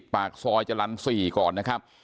ปากซอยจรรย์๔ก่อนนะครับ